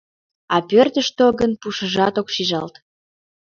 А пӧртыштӧ гын пушыжат ок шижалт.